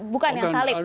bukan yang salib